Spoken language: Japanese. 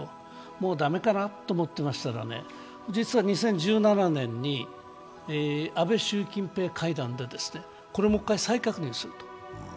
もう駄目かなと思っていましたら２０１７年に安倍・習近平会談でこれをもう１回再確認すると。